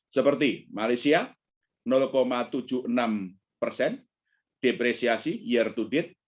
seperti malaysia tujuh puluh enam persen depresiasi year to date